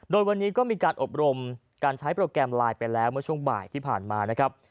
โดยวันนี้ก็มีการอบรมการใช้โปรแกรมไลน์ไปแล้วเมื่อช่วงบ่ายที่ผ่านมานะครับ